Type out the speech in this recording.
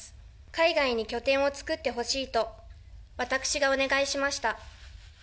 海外に拠点を作ってほしいと、私がお願いしました。